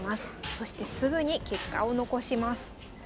そしてすぐに結果を残します。